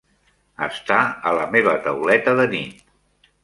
Està a la meva tauleta de nit.